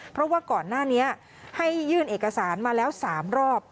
เพราะว่าก่อนหน้านี้ให้ยื่นเอกสารมาแล้ว๓รอบ